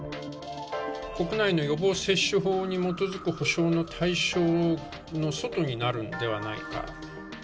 国内の予防接種法に基づく補償の対象の外になるんではないか。